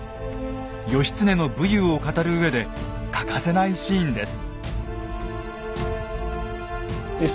義経の武勇を語るうえで欠かせないシーンです。